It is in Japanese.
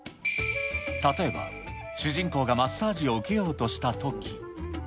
例えば、主人公がマッサージを受けようとしたとき。